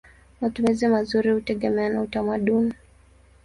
Matumizi mazuri hutegemea na utamaduni.